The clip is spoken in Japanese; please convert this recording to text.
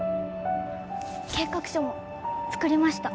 計画書も作りました